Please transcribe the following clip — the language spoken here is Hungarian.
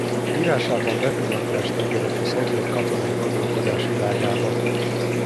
Írásában bepillantást engedett a szovjet katonai gondolkodás világába.